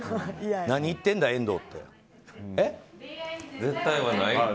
何言ってるんだ、遠藤って。